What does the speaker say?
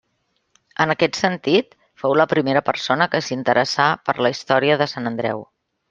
En aquest sentit fou la primera persona que s'interessà per la història de Sant Andreu.